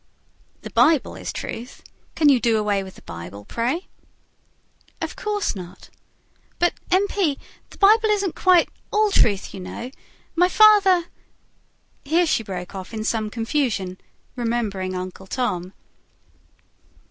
"The Bible is truth. Can you do away with the Bible, pray?" "Of course not. But M. P.... The Bible isn't quite all truth, you know. My father " here she broke off in some confusion, remembering Uncle Tom.